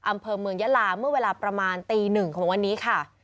อำเภอเมืองยะลาเมื่อเวลาประมาณตีหนึ่งของวันนี้ค่ะ